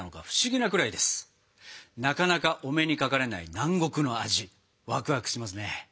なかなかお目にかかれない南国の味わくわくしますね。